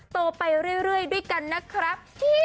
โตไปเรื่อยด้วยกันนะครับ